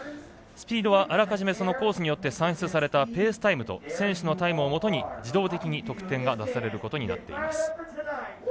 スピードはあらかじめコースによって算出されたペースタイムと選手のタイムをもとに自動的に得点が出されることになっています。